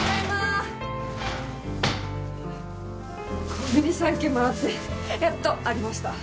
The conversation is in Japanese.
コンビニ３軒回ってやっとありました。